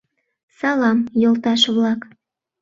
— Салам, йолташ-влак!